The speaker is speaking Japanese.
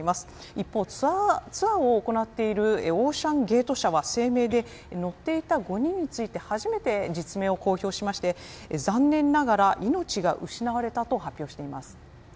一方、ツアーを行っているオーシャンゲート社は声明で、乗っていた５人について初めて実名を公表して残念ながら命が失われたと発表しています。